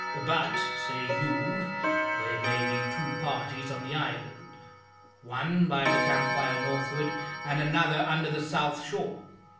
But (say you) there may be two parties on the island one by the camp fire northward, and another under the south shore.